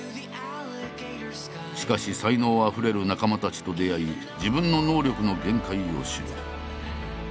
しかし才能あふれる仲間たちと出会い自分の能力の限界を知る。